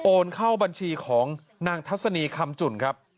เข้าบัญชีของนางทัศนีคำจุ่นครับ